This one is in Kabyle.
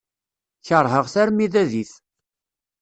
Keṛheɣ-t armi d adif.